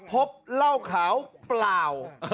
พบเหล้าขาวเปล่า